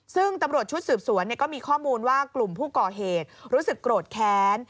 ซึ่งตำรวจชุดสืบสวนก็มีข้อมูลว่ากลุ่มผู้ก่อเหตุรู้สึกโกรธแค้น